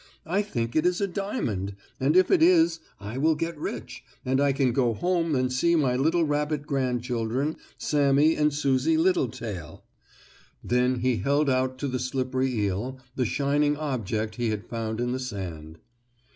I think it is a diamond, and if it is, I will get rich, and I can go home and see my little rabbit grandchildren, Sammie and Susie Littletail." Then he held out to the slippery eel the shining object he had found in the sand.